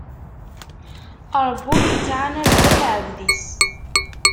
Ṛebbi ur ittɛanad ara lɛebd-is.